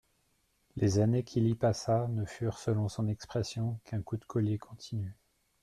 Les années qu'il y passa ne furent, selon son expression, qu'un coup de collier continu.